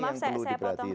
ini yang perlu diperhatikan